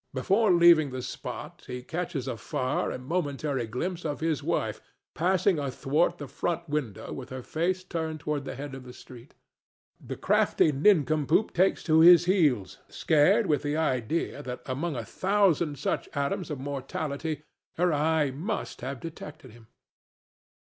Before leaving the spot he catches a far and momentary glimpse of his wife passing athwart the front window with her face turned toward the head of the street. The crafty nincompoop takes to his heels, scared with the idea that among a thousand such atoms of mortality her eye must have detected him.